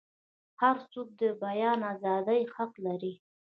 هرڅوک د بیان ازادۍ حق لري.